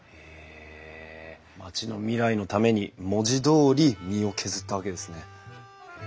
町の未来のために文字どおり身を削ったわけですね。